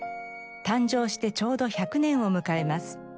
誕生してちょうど１００年を迎えます。